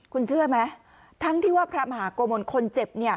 คุณเชื่อไหมทั้งที่ว่าพระมหาโกมลคนเจ็บ